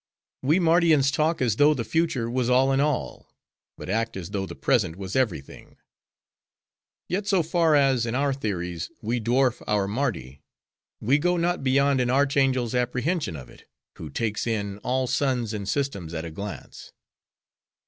"'We Mardians talk as though the future was all in all; but act as though the present was every thing. Yet so far as, in our theories, we dwarf our Mardi; we go not beyond an archangel's apprehension of it, who takes in all suns and systems at a glance.